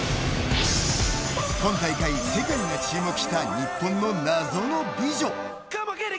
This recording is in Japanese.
今大会、世界が注目した日本の謎の美女。